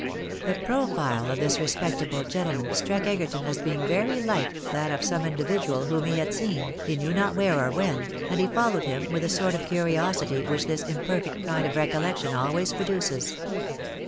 The profile of this respectable gentleman struck Egerton as being very like that of some individual whom he had seen, he knew not where or when, and he followed him with the sort of curiosity which this imperfect kind of recollection always produces.